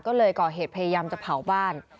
ก็เลยก่อเหตุพยายามจะเผาบ้าน